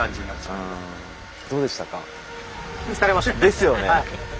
ですよね。